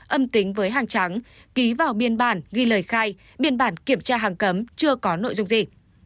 âm tính với hàng trắng ký vào biên bản ghi lời khai biên bản kiểm tra hàng cấm chưa có nội dung gì